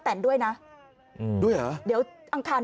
ก็ตอบได้คำเดียวนะครับ